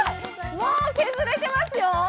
もう削れてますよ。